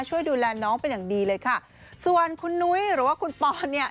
ช่วยดูแลน้องเป็นอย่างดีเลยค่ะส่วนคุณนุ้ยหรือว่าคุณปอนเนี่ย